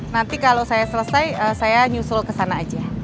nanti kalau saya selesai saya nyusul kesana aja